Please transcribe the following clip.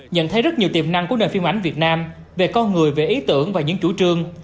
nhận thấy rất nhiều tiềm năng của nền phim ảnh việt nam về con người về ý tưởng và những chủ trương